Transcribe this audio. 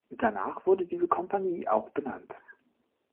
Danach wurde diese Kompanie auch benannt.